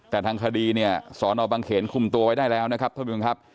แต่ทางคดีเนี่ยสอนอบังเขนคุมตัวไว้ได้แล้วนะครับท่านผู้ชมครับ